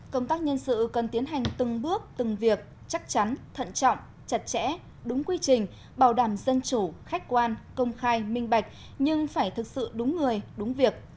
công tác nhân sự cần tiến hành từng bước từng việc chắc chắn thận trọng chặt chẽ đúng quy trình bảo đảm dân chủ khách quan công khai minh bạch nhưng phải thực sự đúng người đúng việc